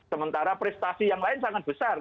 sementara prestasi yang lain sangat besar